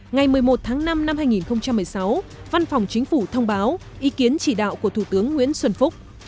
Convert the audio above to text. ngày một mươi một tháng năm năm hai nghìn một mươi sáu văn phòng chính phủ thông báo ý kiến chỉ đạo của thủ tướng nguyễn xuân phúc